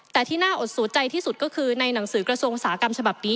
แต่ที่น่าอดสูใจที่สุดก็คือในหนังสือกระทรวงอุตสาหกรรมฉบับนี้